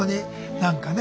何かね